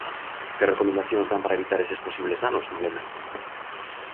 Que recomendacións dan para evitar eses posibles danos, Malena?